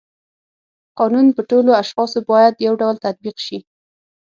قانون په ټولو اشخاصو باید یو ډول تطبیق شي.